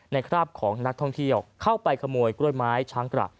คราบของนักท่องเที่ยวเข้าไปขโมยกล้วยไม้ช้างกระ